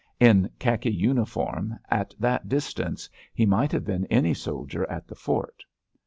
In khaki uniform, at that distance, he might have been any soldier at the fort.